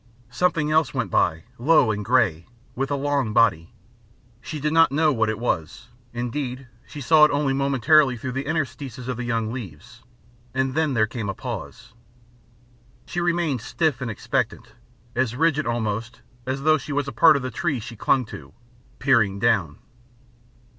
Something else went by, low and grey, with a long body; she did not know what it was, indeed she saw it only momentarily through the interstices of the young leaves; and then there came a pause. She remained stiff and expectant, as rigid almost as though she was a part of the tree she clung to, peering down.